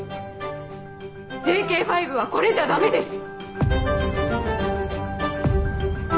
ＪＫ５はこれじゃダメです！